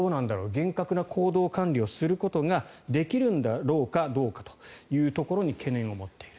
厳格な行動管理をすることができるんだろうかどうかというところに懸念を持っている。